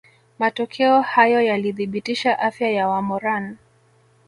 Matokeo hayo yalithibitisha afya ya Wamoran